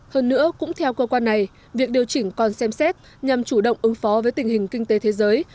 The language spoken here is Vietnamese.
hơn nữa cũng theo cơ quan này việc điều chỉnh còn xem xét nhằm chủ động ứng phó với tình hình kinh tế thế giới